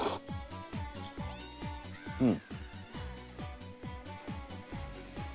うん。